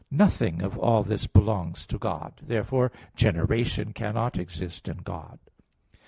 Nothing of all this belongs to God. Therefore generation cannot exist in God.